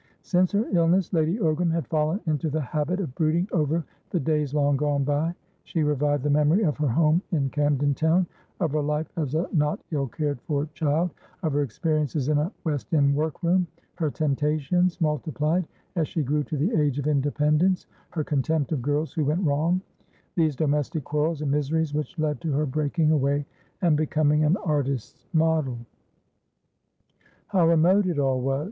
Since her illness, Lady Ogram had fallen into the habit of brooding over the days long gone by. She revived the memory of her home in Camden Town, of her life as a not ill cared for child, of her experiences in a West end workroom, her temptations, multiplied as she grew to the age of independence, her contempt of girls who "went wrong," these domestic quarrels and miseries which led to her breaking away and becoming an artists' model. How remote it all was!